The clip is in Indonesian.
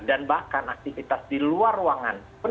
dan bahkan aktivitas di luar ruangan